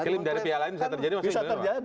klaim dari pihak lain bisa terjadi maksudnya